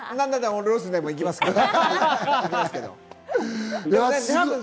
俺、ロスでも行きますから。